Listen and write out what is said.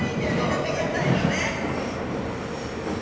何か屋台のね。